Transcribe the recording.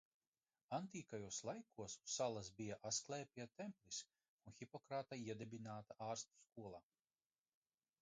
Antīkajos laikos uz salas bija Asklēpija templis un Hipokrata iedibināta ārstu skola.